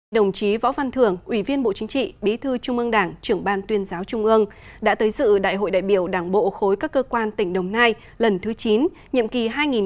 đồng chí võ văn thưởng ủy viên bộ chính trị bí thư trung ương đảng trưởng ban tuyên giáo trung ương đã tới dự đại hội đại biểu đảng bộ khối các cơ quan tỉnh đồng nai lần thứ chín nhiệm kỳ hai nghìn hai mươi hai nghìn hai mươi năm